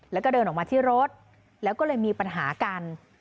แล้วก็เดินออกมาที่รถแล้วก็เลยมีปัญหากัน